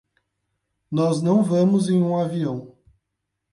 Nós não vamos em um avião.